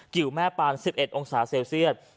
กิวแม่ปาน๑๑องศาเซลเซียต